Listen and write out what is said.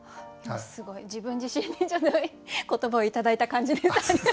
もうすごい自分自身に言葉を頂いた感じです。